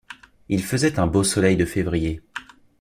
Il faisait un beau soleil de février.